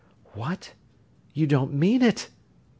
"What? You don't mean it!"